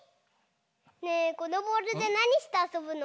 ねえこのボールでなにしてあそぶの？